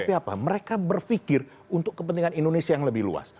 tapi apa mereka berpikir untuk kepentingan indonesia yang lebih luas